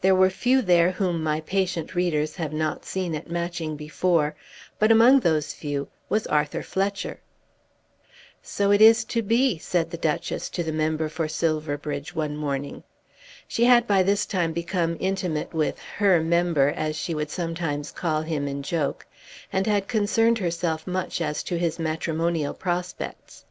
There were few there whom my patient readers have not seen at Matching before; but among those few was Arthur Fletcher. "So it is to be," said the Duchess to the member for Silverbridge one morning. She had by this time become intimate with "her member," as she would sometimes call him in joke, and had concerned herself much as to his matrimonial prospects.